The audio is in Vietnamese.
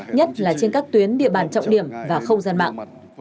nhất là trên các tuyến địa bàn trọng điểm và không gian mạng